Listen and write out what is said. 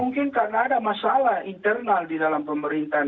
mungkin karena ada masalah internal di dalam pemerintahan